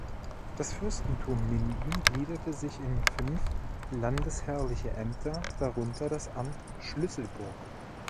Das Fürstentum Minden gliederte sich in fünf landesherrliche Ämter, darunter das Amt Schlüsselburg.